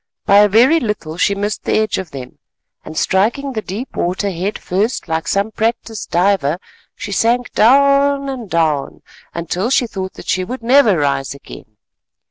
By a very little she missed the edge of them and striking the deep water head first like some practised diver, she sank down and down till she thought that she would never rise again.